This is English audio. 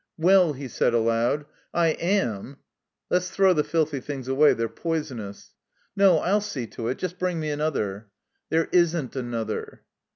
"Well," he said, aloud, "I am — Let's throw the filthy things away. They're poisonous." "No, I'll see to it. Just bring me another." "There isn't another."